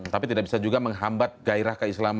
tapi tidak bisa juga menghambat gairah keislaman